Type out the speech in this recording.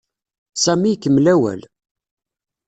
Sami ikemmel awal.